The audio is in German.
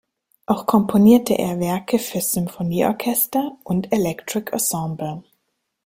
Auch komponierte er Werke für Symphonieorchester und Electric Ensemble.